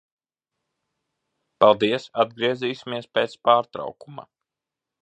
Paldies. Atgriezīsimies pēc pārtraukuma.